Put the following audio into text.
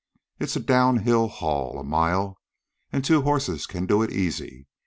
It's a down hill haul, a mile, an' two horses can do it easy.